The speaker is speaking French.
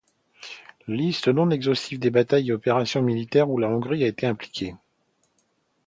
Liste non-exhaustive des batailles et opérations militaires où la Hongrie a été impliquée.